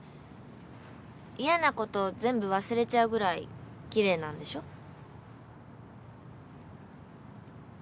嫌なこと全部忘れちゃうぐらい奇麗なんでしょ？